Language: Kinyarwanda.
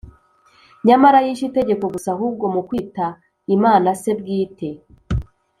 . Nyamara yishe itegeko gusa ahubwo mu kwita Imana “Se bwite